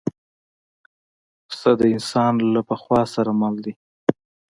پسه د انسان له پخوا سره مل دی.